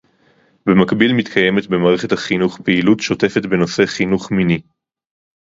במקביל מתקיימת במערכת החינוך פעילות שוטפת בנושא חינוך מיני